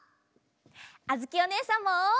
あづきおねえさんも！